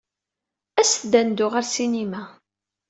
Aset-d ad neddu ɣer ssinima!